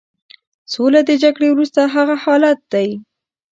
سوله د جګړې وروسته هغه حالت دی.